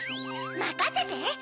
まかせて！